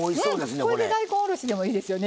これで大根おろしでもいいですね。